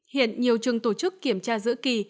hiện nhiều trường tổ chức kiểm tra giữa kỳ